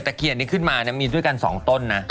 เคียนนี้ขึ้นมามีด้วยกัน๒ต้นนะ